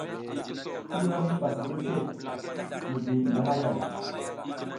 Ki vam hipas mbirke mizliy ngi hayay ?